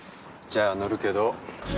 じゃあ、乗るけど。